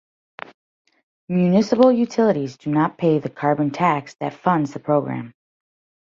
Municipal utilities do not pay the carbon tax that funds the program.